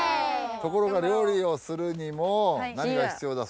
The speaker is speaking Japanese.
ところが料理をするにも何が必要だ？